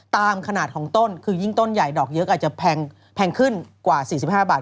ตามขนาดของต้นคือยิ่งต้นใหญ่ดอกเยอะก็อาจจะแพงขึ้นกว่า๔๕บาท